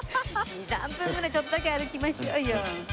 ２３分ぐらいちょっとだけ歩きましょうよ。